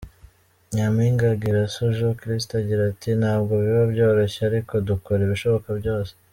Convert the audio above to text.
Nyampinga Giraso Joe Christa agira ati :”Ntabwo biba byoroshye ariko dukora ibishoboka byose.